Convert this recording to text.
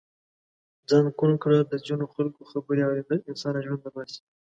ځان ڪوڼ ڪړه د ځينو خلڪو خبرې اوریدل انسان له ژونده باسي.